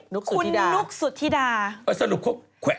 นุกสุธิดาคุณนุกสุธิดาอ๋อสรุปเขา